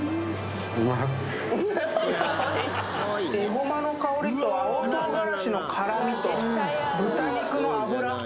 うまいエゴマの香りと青唐辛子の辛みと豚肉の脂